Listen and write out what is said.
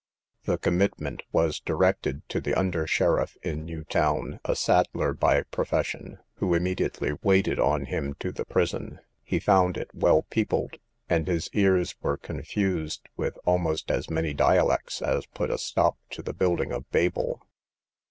The commitment was directed to the under sheriff in New Town, a saddler by profession, who immediately waited on him to the prison; he found it well peopled, and his ears were confused with almost as many dialects as put a stop to the building of Babel.